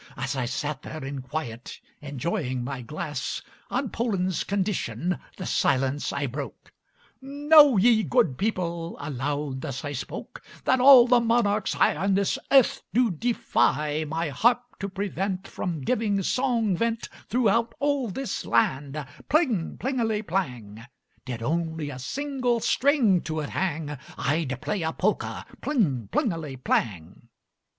As I sat there in quiet, enjoying my glass, On Poland's condition the silence I broke: 'Know ye, good people,' aloud thus I spoke, 'That all monarchs I On this earth do defy My harp to prevent From giving song vent Throughout all this land pling plingeli plang! Did only a single string to it hang, I'd play a polka pling plingeli plang!'